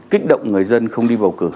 kích động người dân không đi bầu cử